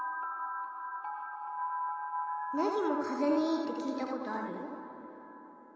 ネギも風邪にいいって聞いたことあるよ。